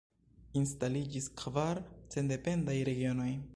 Instaliĝis kvar sendependaj regionoj.